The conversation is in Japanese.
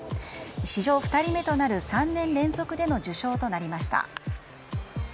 史上２人目となる３年連続での受賞となりました。